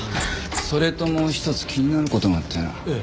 それともう一つ気になる事があってな。